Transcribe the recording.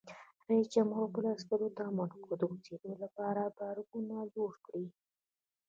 رئیس جمهور خپلو عسکرو ته امر وکړ؛ د اوسېدو لپاره بارکونه جوړ کړئ!